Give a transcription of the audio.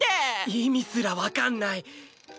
意味すらわかんない！